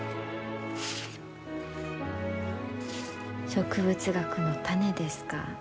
植物学の種ですか。